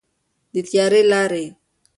د تیارې لارې.